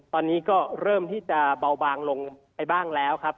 ตอนนี้ก็เริ่มที่จะเบาบางลงไปบ้างแล้วครับ